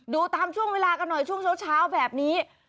ดูตามช่วงเวลากันหน่อยช่วงเช้าแบบนี้